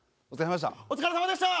お疲れさまでした。